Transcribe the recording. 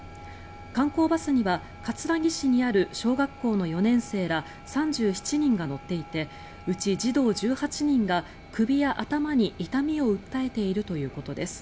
観光バスには葛城市にある小学校の４年生ら３７人が乗っていてうち児童１８人が首や頭に痛みを訴えているということです。